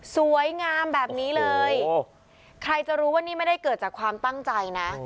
สวยงามแบบนี้เลยใครจะรู้ว่านี่ไม่ได้เกิดจากความตั้งใจนะ